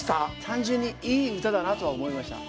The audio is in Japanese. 単純にいい歌だなとは思いました。